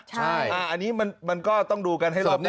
ใช่อันนี้มันก็ต้องดูกันให้หล